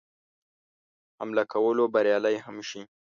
حمله کولو بریالی هم شي.